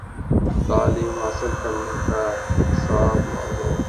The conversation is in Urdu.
تعلیم حاصل کرنے کا حساب مانگو